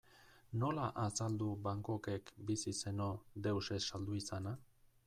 Nola azaldu Van Goghek, bizi zeno, deus ez saldu izana?